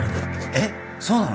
えッそうなの？